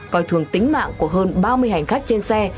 coi thường tính mạng của hơn ba mươi hành khách trên xe